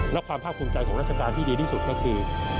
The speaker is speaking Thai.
และความภาคภูมิใจของราชการที่ดีที่สุดก็คือ